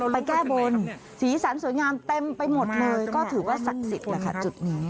แก้บนสีสันสวยงามเต็มไปหมดเลยก็ถือว่าศักดิ์สิทธิ์แหละค่ะจุดนี้